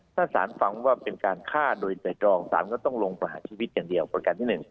ถ้าสารฟังว่าเป็นการฆ่าโดยใจตรองสารก็ต้องลงประหารชีวิตอย่างเดียวประการที่๑